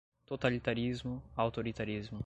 Totalitarismo, autoritarismo